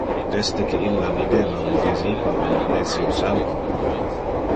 Desde que illa videva un designo de un plesiosauro.